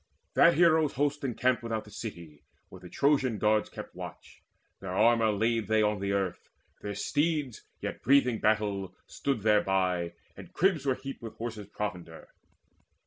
That hero's host encamped Without the city, where the Trojan guards Kept watch. Their armour laid they on the earth; Their steeds, yet breathing battle, stood thereby, And cribs were heaped with horses' provender.